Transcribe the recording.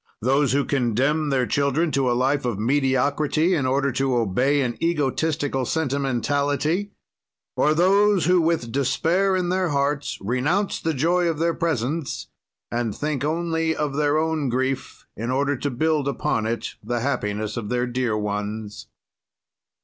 Those who condemn their children to a life of mediocrity in order to obey an egotistical sentimentality, or those who, with despair in their hearts, renounce the joy of their presence, and think only of their own grief in order to build upon it the happiness of their dear ones.